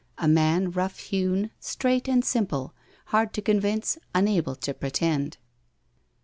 A man rough hewn, straight and simple, hard to convince, unable to pretend.